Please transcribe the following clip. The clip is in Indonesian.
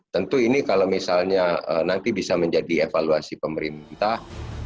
tentu ini kalau misalnya nanti bisa menjadi evaluasi pemerintah